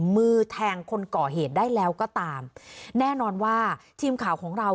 มือแทงคนก่อเหตุได้แล้วก็ตามแน่นอนว่าทีมข่าวของเรา